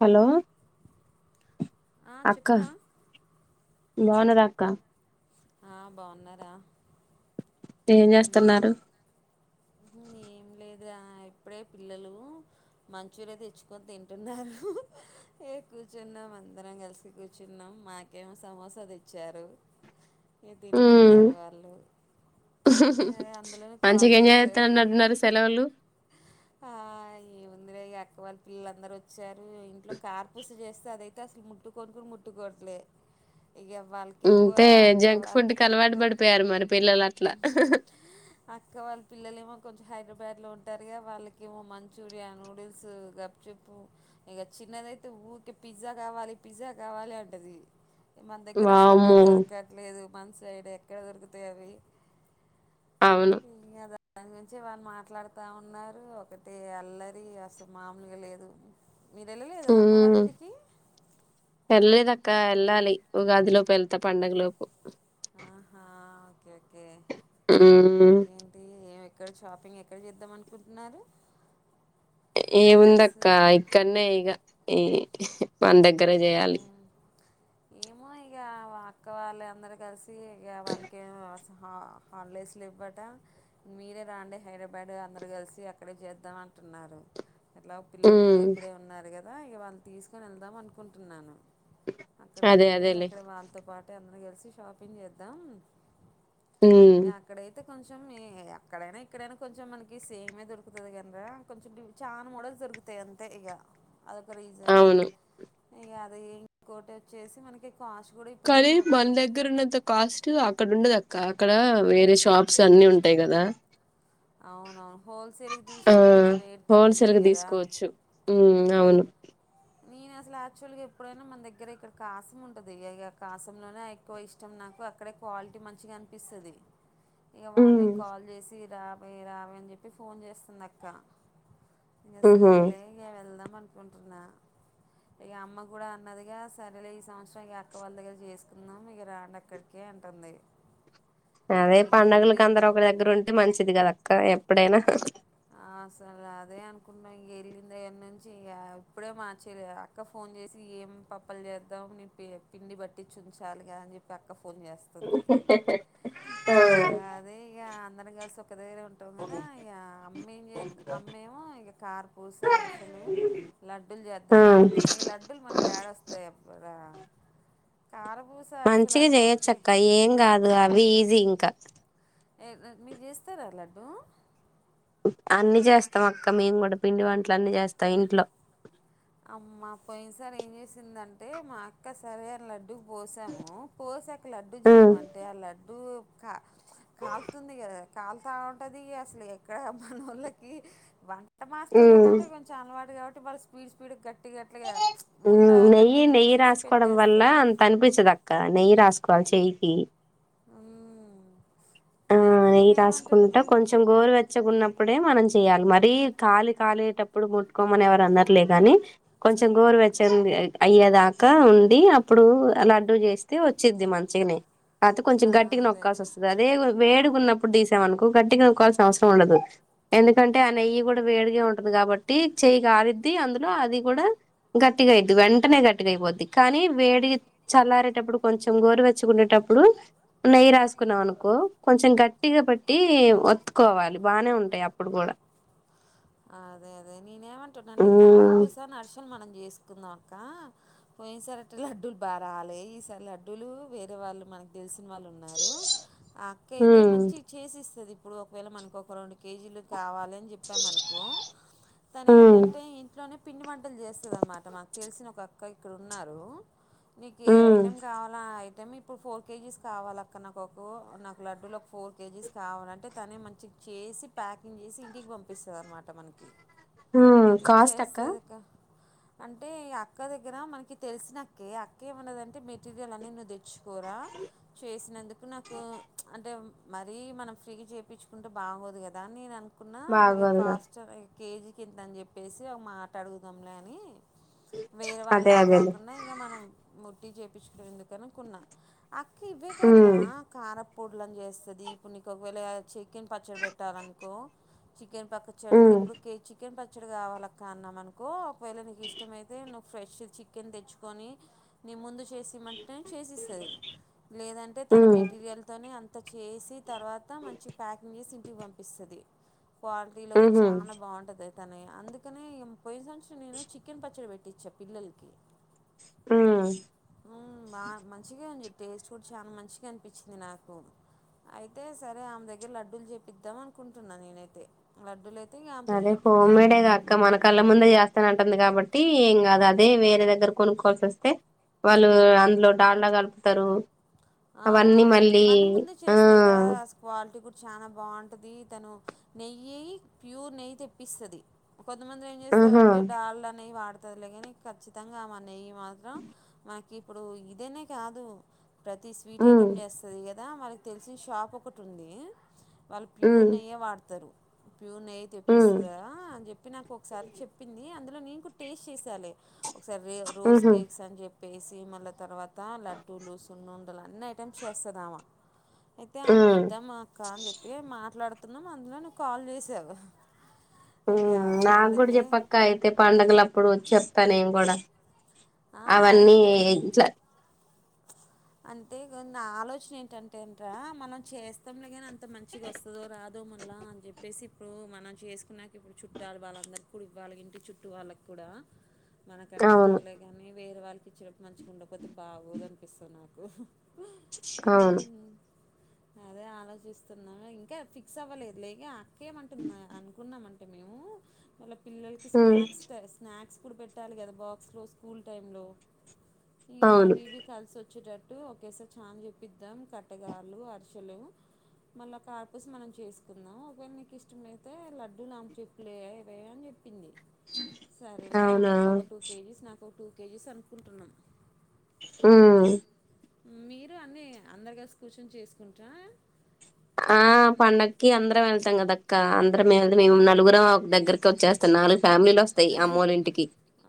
Hello ఆ చెప్పురా ఓనరక్కా ఆ బాగున్నారా ఎం ఏం చే చేస్తున్నారు ఏం లేదు ఆ ఇప్పుడే పిల్లలు మంచూరియా తెచ్చుకొని తింటున్నారు ఏ కూర్చున్నాం అందరం కలిసి కూర్చున్నాం మాకేమో సమోస తెచ్చారు ఏ ఉమ్ తింటున్నారు వాళ్ళు అదే అందులోనే కాల్ మంచిగా ఎంజాయ్ చేశారు చేస్తున్నట్ ఉన్నారు సెలవులు ఈ ముందిరా ఇగ అక్క వాళ్ళ పిల్లలందరూ వచ్చా ఇంట్లో కార్పుస చేస్ స దయితే అసల్ ముట్టుకోన్ గుడ ముట్టుకోట్లే అంతే జంక్ ఫుడ్కి అలవాటు పడిపోయారు మరి పిల్లలు అట్ల అక్క వాళ్ళ పిల్లలేమో కొంచెం హైదరాబాద్లో ఉంటారు వాళ్ళకేమో మంచూర్యా, నూడిల్స్, గప్చుప్పు ఇగ చిన్నదైతే ఊకె పిజ్జా కావాలి పిజ్జా కావాలి అంటది మన దగ్గర అసల్ అవి వామ్మో దొరకట్లేదు మన సైడ్ ఎక్కడ దొరుకుతాయి అవి అవును [unintelligible] దాని గురించి వాళ్ళు మాట్లాడుతా ఉన్నారు ఒకటె అల్లరి అసలు మామూలుగా లేదు మీరు వెళ్ళలేదా అమ్మవాళ్ళ ఉమ్ ఇంటికి క వెళ్ళాలి ఉగాదిలోపు వెళ్తా పండుగలోపు ఆహా ఓకే మ్ ఇక్కడ షాపింగ్ ఎక్కడ చేద్దాం అనుకుంటున్నారు ఏ అందరు ఉందక్క కలిసి ఇక్కన్నే ఇగ ఈ మన దగ్గరే ఊహు చేయాలి ఏమో ఇగ అక్క వాళ్ళ అందరూ కలిసి తీ ఇగ వాళ్లకేం అవసరం హా హాలిడేస్లు ఇవ్వట మీరే రాండి హైదరాబాడ్ అందరూ కలిసి అక్కడే చేద్దాం అంటున్నారు. ఎట్లాగో పిల్లలకు డా ఉమ్ ఇక్కడే ఉన్నారు గ దా ఇగవాళ్ళు తీసుకుని వెళ్దాం అనుకుంటున్నాను అదే వెళ్ళే అదేలే అక్కడ వాళ్తో పాట్ టే మన కలిసి షాపింగ్ చేద్దాం ఉమ్ ఎక్కడైతే కొంచెం ఏ అక్కడైనా ఇక్కడైనా కొంచెం మనకి సేమే దొరుకుతది కానిరా కొంచెం చానా మోడల్స్ దొరుకుతాయి అంతే ఇగ. అదొక రీజనా అవును ఇగ రైన్ కోటే చేసి మనకి కానీ మన దగ్గరున్నంత కాస్ట్ గా అక్కడ ఉండదక్క అక్కడ వేరే షాప్స్ అన్నీ ఉంటాయి గదా అవునవును హోల్సేల్ కి ఆ తీసుకున్నా కొంచెం రేట్ హోల్సేల్ తగ్గుతది గా గదా తీసుకోవచ్చు ఉమ్ అవును నేను అసలు యాక్చువల్గా ఎప్పుడైనా మన దగ్గర ఇక్కడ కాసిం ఉంటుది గేగా కాసిం లోనే ఎక్కువ ఇష్టం నాకు అక్కడే క్వాలిటీ మంచిగా అన్పిస్తది ఇగ ఉమ్ వాళ్ళేం కాల్ చేసి రావే రావే అని చెప్పి ఫోన్ చేస్తుంది అక్క ఇంగ ఉహు సరేలే ఇంగ వెళ్దామను కుంటున్నా ఇగ అమ్మ కూడా అన్నదిగా సరేలే ఈ సంవత్సరం ఇక అక్క వాళ్ళ దగ్గర చేసుకుందాం ఇగ రాండి అక్కడికే అంటుంది. అదే ఇక పండుగలలకు వెళ్ళింది అందరుూ ఒకరి దగ్గర ఉంటే మంచిది కదా అక్క ఎప్పుడైనా ఎళ్ళిన [unintelligible] నుంచి ఇగ ఇప్పుడే మార్చేలి అక్క ఫోన్ చేసి ఏం పప్పలు చేద్దాం నీను పి పిండి బట్టిచ్చుంచాలి కదా అని చెప్పి అక్క ఆ ఇగ అదే ఇగ అందరం కలిసో క్క దగ్గరే ఉంటాం కదా ఇగ అమ్మేం జేద్దా అమ్మేమో ఇగ కారపూస అరిసెలు లడ్డూలు చే ఆ ద్దాం అంటంది గానీ లడ్డులు మని కేడొస్తాయి ఎప్పురా కారు మంచిగా చేయొచ్చక్క ఏం గాదు అవి ఈసింగ్ క [unintelligible] మీరు చేస్తారా లడ్డూ అన్ని చేస్తాం అక్క మేం కూడా పిండి వంటలు అన్నీ చేస్తా ఇంట్లో తిందంటే మా అక్క సరే అని లడ్డూ పోసాము పోసాక లడ్డు ఉమ్ చేయమంటే ఆ లడ్డూ కా కాలుతుంది కదా కాలుతా ఉంటది అసలు ఎక్కడ మనోళ్ళకి వం ట ఉమ్ మాస్టర్లకంటే కొంచెం అలవాటు కాబ టే వాళ్ళ స్పీడ్స్ పిడుగ్గ ఊ నెయ్యి నెయ్యి చేసేసి రాసుకోవడం వల్ల పెట్టేస్తారు అంత అన్పిచ్చదక్క నెయ్యి రాస్ కోవాల చెయ్యికి అం ఆ నెయ్యి రాసుకుంటా కొంచెం గోరువెచ్చగున్న ప్పుడే మనం చెయ్యాలి మరీ కాలి కాలేటప్పుడు ముట్టుకోమని ఎవరు అనరులే గనీ కొంచెం గోరువెచ్చన్ది అయ్యేదాకా ఉండి అప్పుడు లడ్డూ చేస్తే వచ్చిద్ది మంచిగనే కాతే కొంచెం ఆ, గట్టిగా అదే నొక్కాల్సొస్తుది అదే గొ వేడిగున్నప్పుడు తీసాం అనుకో గట్టిగా అనుకోవాల్సిన అవసరం ఉండదు ఎందుకంటే ఆ నెయ్యి కూడా వేడిగా ఉంటది కాబట్టి చెయ్యి కాలిద్ది అందులో అది కూడా గట్టిగా అయిద్ది వెంటనే గట్టిగా అయిపోద్ది కానీ వేడి చల్లారేటప్పుడు కొంచెం గోరువెచ్చగుండేటప్పుడు నెయ్యి రాసుకున్నాం అనుకో కొంచెం గట్టిగా పట్టి ఒత్తుకోవాలి బానే ఉంటాయి అప్పుడు గూడా అ అదే అదే నేనేమంటున్నాంటే హ్మ్ కారపూస నర్షల్ మనం జేస్. తుందమక్క పోయిన్ సారట్లీ లడ్డూల్ బారాలే ఈసార్ లడ్డూలు వేరే వాళ్ళు మనక్ దెల్సి. సిన్వాల్లున్నారు ఆ అక్కైతే హ్మ్ మంచిగ్ చేసిస్తది. ఇప్పుడు ఒకవేళ మనకొక రొండు కేజీలు తేవాలె. కో హ్మ్ తనేంటంటే ఏం టోనే పిండి వన్ టలు చేస్తుది అన్నమాట మాకు తెలిసిన ఒక క్క ఇక్కడున్నారు నీకు ఏ హ్మ్ ఐటెమ్ కావాలా అ ఐ టేం ఇప్పుడు ఫోర్ కే జీ స్ కావాలక్క నాకోకు నాకు లడ్డూలు ఒక ఫోర్ కే జీ స్ కావాలంటే తనే మంచి చేసి ప్యాకింగ్ చేసి ఇంటికి పంపిస్ తదనమాట మనకి ఊ కాస్ట్ అక్క అంటే ఈ అక్క దగ్గర మనకి తెలిసినక్కే అక్క ఏమన్నదంటే మెటీరియల్ అన్నీ నువ్వు దె చ్చుకోరా చేసినందుకు నాకు అంటే మరీ మనం ఫ్రీగి చేపిచ్చుకుంటే బాగోదు గదా అన్ నేన. బాగు కాస్టరయ్ కేజీకింతన్ జెప్పేసి ఒగ మాటడుగుదాంలే అని. వేరే అదే వాళ్ళలా అదేలే కాకుండా ఇగ మనం ము ట్టి చేపిచ్చుకుడెందుకనుకున్నా అక్కివ్వే కాదు రా హ్మ్ కారప్ పుడ్లన్ జేస్తది ఇప్పుడ్ నీకొగవేళ ఆ చె కెన్ పచ్చడి పెట్టాలనుకో. పక్క హ్మ్ చెడుగుడెప్పుడు కేచి కెన్ పచ్చడి కావాలక్కా అన్నాం అనుకో ఒకవేళ నీకెష్టమైతే నువ్ ఫ్రెష్ ది చికెన్ దెచ్చుకో అని నీ ముందు చి. చేసిమ్మంట్నే చేసిస్తది లేదంటే తన హ్మ్ మెటీరియల్ తోనే అం. అంత చేసి తర్వాత మంచి ప్యాకింగ్ జేసి ఇంటికి పంపిస్తది. క్వాల్టీలో గూ ఊహూ చానా బాగుంటది. తనే అందుకనే ఇగ పొయిన్ంత్సరం నేను చికెన్ పచ్చడి పెట్టించ పిల్లల్కి. ఉమ్ ఉమ్ బా మంచిగే ఉంది టేస్ట్ కూడ్ చానా మంచిగనిపించింది నాకు ఐతే సరే ఆమ్ దగ్గర లడ్డూలు చేపిద్దాం అనుకుంటున్నా నేనై. తే లడ్డూలై అదే హోమ్మేడే గా అక్క మన కళ్ళ ముందే చేస్తానంటుంది కాబ. టి ఏం కాదు అదే వేరే దగ్గర కొనుక్కోల్సి వస్తే వాళ్ళు అందులో డాళ్లా కలుపుతారు ఆ అవన్నీ మళ్ళీ మన ముందే ఆ చేస్తదిరా అసలు క్వాలిటీ కూడా చాలా బాగుంటుంది ది తను నెయ్యి ప్యూర్ నెయ్యి తెప్పిస్తుది కొద్ంతమంది ఏం ఆహా చేస్తారంటే డాల్డా అనేవి వాడతారు తదిలేగాని ఖచ్చితంగా మన్య మాత్రం మా ఇప్పుడు ఇదెనే కాదు ప్రతి ఉమ్ స్వీటైటెమ్ చేస్తదిగత్ దా వాళ్ళక్ తెల్సిన్ షాపొకటుంది. వాళ్ళు ప్యూర్ ఉమ్ నెయ్యే వాడ్తరు. ప్యూర్ నెయ్యే ఉమ్ తెప్పిస్తద్రా అన్ జెప్పి నాకొక్సారి చెప్పింది అందు. లో నేన్ కూడ్ టేస్ట్ చేసాలే. ఒక్సారి రే రోజ్ ఉహు కేక్స్ అని జెప్ వేసి మళ్ళ తర్వాత లడ్డూలూస్ సున్నుండలు అన్నైటమ్స్ చేస్తదామా. ఐతే ఆమ్ ఉమ్ కిద్దామా అక్క అన్ జెప్పి మాట్లాడ్. పతున్నా అందులో నువు కాల్ చేసావు ఇక నాకు కూడా అందుకే చెప్పక్క అయితే పండుగలు అప్పుడు వచ్చి చె తనం కూడా "ఆ, అవన్నీ ఇంట్లా అంతే నా ఆలోచన ఏంటంటే అంటార మనం చేస్తాంలా కానీ అంత మంచిగా వస్తుందో రాదో మళ్ళా అని చెప్పేసి ఇప్పుడు మనం చేసుకున్నాక ఇప్పుడు చుట్టాలు వాళ్ళందరిక కూడా వాళ్ళ ఇంటి చుట్టూ వాళ్ళకు కూడా మనకంటే అవును పర్లే గాని వేరే వాళ్ళు చ్చ మంచిగా ఉండ కపోతే బాగోదనిపిస్తున్నారు అవును అదే ఆలోచిస్తున్న ఇంకా ఫిక్స్ అవ్వలేదు లేక కెమంటుంద అనుకున్నామంట యాంటె మెమ్ పిలల్కి ఉమ్ స్నాక్స్ స్నాక్స్ ఇప్పుడు పెట్టాలి కదా బాక్స్లో స్కూల్ టైంలో ఇ అవును యావివి కల్ స వచ్చేటట్టు ఒకేసారి చఛా చెప్పిద్దాం కట్టగాలు అరిసెలు మళ్ళా కార్పుస్ మనం చేసుకుందాం ఒకవేళ మీీకు ఇష్టమ అైతే లడ్డుూ లాంపచప్పులుయా ఇవ అని చెప్ప సరేలే అవునా అక్కకు ఒక టూ కేజీస్ నాకు ఒక టూ కేజెస్ అనుకుంటున్నాం ఆ మీరు అన్నీ అందరిగా కూర్చొని చేసుకుంటారా ఆ పండక్కి అందరం వెళ్తాం కదక్క అందరం వెళ్దు మేము నలుగురం దగ్గరకి వచ్చేస్తా నాలుగు ఫ్యామిలీలు వస్తాయి అమ్మ వాళ్ళ ఇంటికి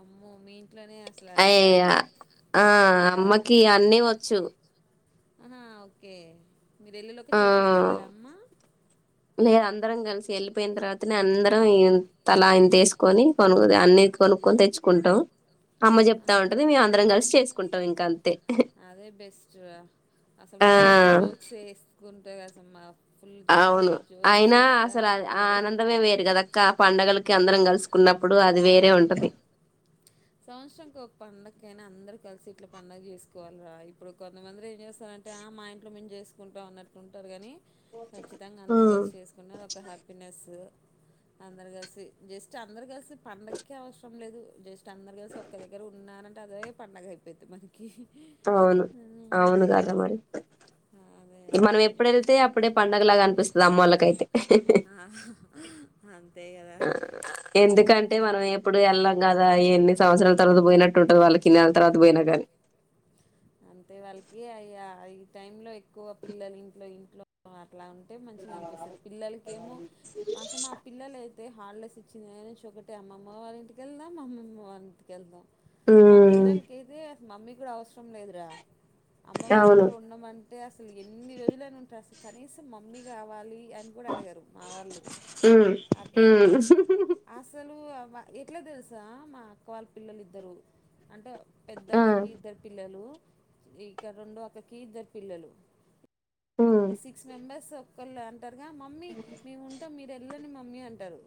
అమ్మో మీ ఇంట్లోనే అసలు అ అదొక ఆ పండగగా అమ్మకి అన్న వచ్చు ఆహా ఓకే మీరెల్లులోకి చేసించుతారా అమ్మా లేద అందరం కలిసి వెళ్ళిపోయిన తర్వాత అందరం ఈ తలా ఆయన తీసుకొని కొను అన్ని కొనుక్కొని తెచ్చుకుంటాం అమ్మ చెప్తా ఆహా! ఉంటుంది మేము అందరం కలిసి చేసుకుంటాం ఇంకా అంతే అదే బెస్ట్ రా. ఆ టేగాస మాఫ్ అవును అయినా అసలు ఉంటారు. ఆనందమే వేరు కదా అక్క పండగల అందరం కలిసు ఉన్నప్పుడు అది వేరే అవును. ఉంటుంది కైనా అందరూ కలిసి ఇట్లా పడుగ చేసుకోవాలిరా ఇప్పుడు కొంతమందిర ఏం చేస్తారంటే ఆ మా ఇంలో మేము చేసుకుంటాం అన్నట్టు ఉంటారు కానీ ఖచ్చితంగా అందరుూ ఉమ్, కలిసి చేసుకునేది ఒక హ్యాపీనెస్సు అందరు కలిసి జస్ట్ అందరు కలిసి పండగకే అవసరం లేదు జస్ట్ అందరు కలిసి ఒక్క దగ్గర ఉన్నారంటే అదే పండగ అయిపోతుంది మరి అవును అవును కదా మరి అదే మనం అదే ఎప్పుడు వెళ్తే అప్పుడే పండ అనగలాగా అనిపిస్తుంది అమ్ములకైతే ఆ అ ఆ ఎందుకంటే మనం ఉమ్. ఎప్పుడు వెళ్ళాం కదా ఇవన్ని సంవత్సరం తర్వాత పోయినట్టు ఉంటుంది వాళ్ళకిి నెల తర్వాత పోయినా గానీ అంతే వాళ్ళకి అ ఈ టైం లో ఎక ఎక్కువ పిల్లలు ఇంట్లో ఇంట్లో బ అట్లా ఉంటే మంచిగా అనిపిస్తుంది పిల్లలకేమో మాస మా పిల్లలు ఐతే అయితే హాలిడేస్ వచ్చిన కాంచి నుంచి ఒకటే అమ్మమ్మ వల్ల ఇంటికి వెళ్దాం అమ్మమ్మ వల్ల ఇంటికి వెళ్దాం మా ఉమ్ పిల్లలకి అయితే మమ్మీ కూడా అవసరం లేదురా అమ్మ వాళ్ళ అవును ఇంట్లో ఉన్నామంటే అసలు ఎన్ని రోజులైనా ఉంటా అసలు కనీసం మమ్మీ కావాలి అని కూడా అడిగారు మా వాళ్ళు ఉమ్ అట్లా ఉమ్ అసలు ఆ ఎట్లా తెలుసా మా అక్క వాళ్ళ పిల్లలుఇద్దరూ అంటే పెద్ద ఆ అక్కకి ఇద్దరు ఇక రెండు అక్కకి ఇద్దరు పిల్లలు ఉమ్ సిక్స్ మెంబర్స్ ఒక [unintelligible] టరుగా మమ్మీ మేం ఉంటాం మీరెల్ల ని మమ్మీ అంటారు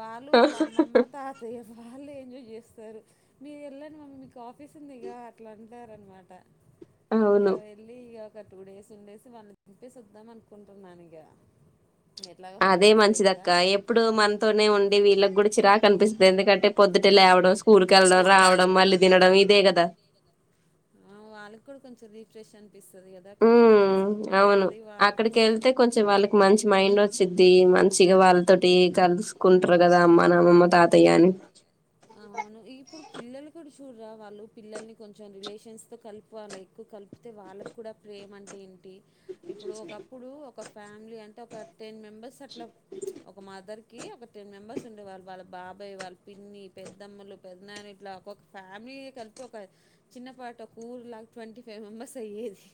వాళ్ళు వాళ్ళ అమ్మమ్మ తాతయ్య వాళ్ళ ఎంజాయ్ చేస్తారు మీరు వెళ్ళడి మమ్మీ మీకు ఆఫీస్ ఉందిగా అట్లా అంటారనమాట అవును ఇగా వెళ్ళి ఇక ఒక టూ డేస్ ఉండేసి వాళ్ళ వింపేసి వద్దాం అనుకుంటారు ఇగా అదే మంచిదక్క ఎప్పుడు మనతోనే ఉండి వీళ్ళకి కూడా చిరాక్ కనిపిస్తుంది ఎందుకంటే పొద్దుటి లేవడం ఊరికి వెళ్లడం రావడం మళ్ళీ తినడం ఇ తే గదా ఔ వాళ్ళకి కూడా కొంచెం రీఫ్రెష్ అన్ ఊ అవును వా అక్కడికెళ్తే కొంచెం వాళ్ళకి మంచి మైండో చ్చిద్ది మంచిగా వాళ్ళతోటి కలుసుకుంటరు కదా మన అమ్మమ్మ తాతయ్య అని అవును ఇప్పుడు పిల్లలు కూడు చూడురా వాళ్ళు పిల్లల్ని కొంచెం రిలేషన్స్ తో కలుపాలి ఎక్కువ కలుపితే వాళ్ళకి కూడా ప్రేమ అంటే ఏంటి ఇప్పుడు ఒకప్పుడు క ఫ్యా మిలీ అంటే ఒక టెన్ మెంబర్స్ అట్లా ఒక మదర్ కి ఒక టెన్ మెంబర్స్ ఉండే వాళ్ళు వాళ్ళ బాబాయ్ వాళ్ళ పిన్ని పెద్దమ్మలు పెద్దనాన్న ఇట్లా ఒక్కొక్క ఫ్యామిలీ కలిపి ఒక చిన్నపాటి ఒక ఊరు లాగా ట్వంటీ ఫైవ్ మెంబర్స్ అయ్యేది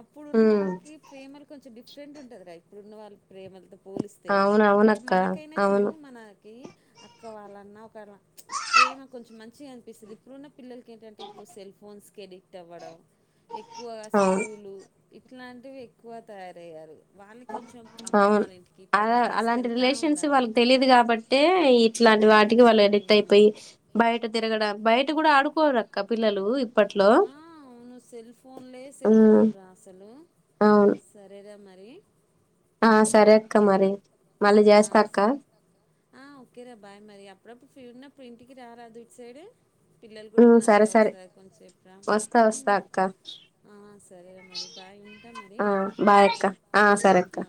అప్పుడు హ్మ్ ఉన్నోళ్ళకి ప్రేమలు కొంచం మంచి డిఫరెంట్ ఉంటందిరా ఇప్పుడున్న వాళ్ళ ప్రేమలతో పోలిస్తే ఇప్పుడు అవునవునక్క. మనకైనా అవును. చూడు మన కి అక్క వాళ్ళన్నా ఒకళ ప్రేమ కొంచెం మంచిగా అనిపిస్తుంది ఇప్పుడున్న పిల్లలకి ఏంటంటే ఎక్కువ సెల్ ఫోన్స్ ఎడిక్ట్ అవ్వడం ఎక్కువగా అక్క, అవును. అవును. స్కూలు ఇట్లాంటివి ఎక్కువ తయారయ్యారు వాళ్ళని కొంచెం అమ్మ అవును వాళ్ళ ఇంటికి అ ఇట్లా ప- అలాంటి తీసుకెళ్తా రిలేషన్స్ ఉండాలి వాళ్ళకి తెలీదు కాబట్టే ఇట్లా వాటికి వాళ్ళు ఎడిక్ట్ ఉమ్. అయిపోయి బయట తిరగడం బయట కూడా ఆడుకోరు అక్క పిల్లలు ఇప్ ఆ అవును సెల్ ఫోన్లే సెల్ హ్మ్ ఫోన్లు రా అసలు అవును. సరే రా మరి డి ఆ సరే అక్క మరి మళ్ళీ ఆ జేస్తా అక్క. ఆ ఓకేరా బాయ్ మరి అప్పుడప్పుడు ఫన్న ఇప్పుడు ఇంటికి రారా దుటి సైడ్ పిల్లలు కూడా హ్మ్ సరే ఉన్నారుగాద సరే ఒకసారి కొంచెం చెప్పు రా అది వస్తా వస్తా అక్క. సరే మరి బాయ్ ఉంటా మరి ఆ బాయ్ అక్క. ఆ సరే అక్క. ఆ